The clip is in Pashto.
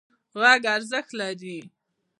غږ ارزښت لري.